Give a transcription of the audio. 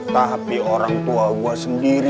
tapi orang tua gue sendiri